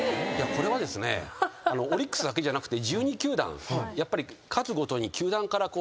これはですねオリックスだけじゃなくて１２球団。